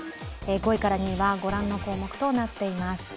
５位から２位はご覧の項目となっています。